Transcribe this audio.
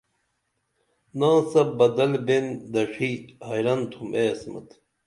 ناڅپ بدل بین دڇھی حیرن تُھم اے عصمت